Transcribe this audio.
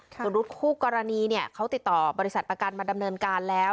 ส่วนรถคู่กรณีเนี่ยเขาติดต่อบริษัทประกันมาดำเนินการแล้ว